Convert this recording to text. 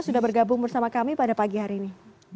sudah bergabung bersama kami pada pagi hari ini